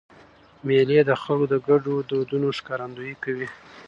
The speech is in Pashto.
مېلې د خلکو د ګډو دودونو ښکارندویي کوي.